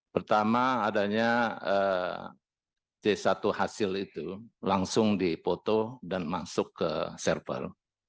pertama adanya c satu hasil itu langsung dipoto dan masuk ke server